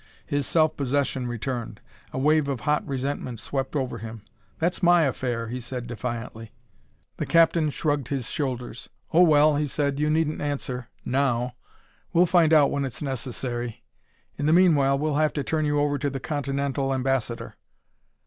His self possession returned. A wave of hot resentment swept over him. "That's my affair," he said defiantly. The captain shrugged his shoulders. "Oh, well," he said, "you needn't answer now. We'll find out when it's necessary. In the meanwhile we'll have to turn you over to the Continental Ambassador."